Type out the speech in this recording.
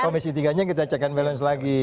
komisi tiga nya kita check and balance lagi